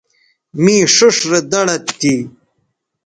می ݜیئݜ رے دڑد تھی